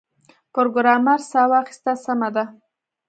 پروګرامر ساه واخیسته سمه ده